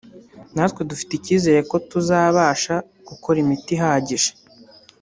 natwe dufite icyizere ko tuzabasha gukora imiti ihagije